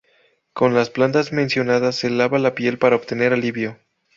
Con las plantas mencionadas se lava la piel para obtener alivio.